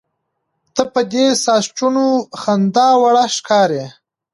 ته په دې ساسچنو خنداوړه ښکارې.